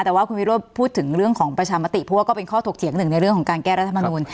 แต่ว่าคุณวิโรธพูดถึงเรื่องของประชามติเพราะว่าก็เป็นข้อถกเถียงหนึ่งในเรื่องของการแก้รัฐมนูล